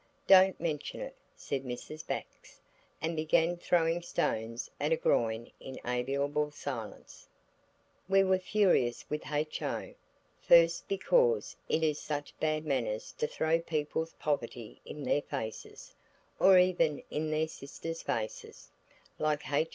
"Don't mention it," said Mrs. Bax, and began throwing stones at a groin in amiable silence. We were furious with H.O., first because it is such bad manners to throw people's poverty in their faces, or even in their sisters' faces, like H.O.